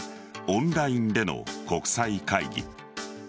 オンラインでの国際会議。